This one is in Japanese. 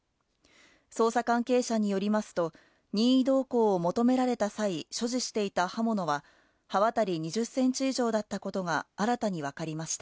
捜査関係者によりますと、任意同行を求められた際、所持していた刃物は、刃渡り２０センチ以上だったことが新たに分かりました。